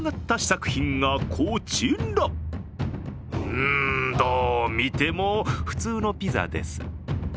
うん、どう見ても、普通のピザです。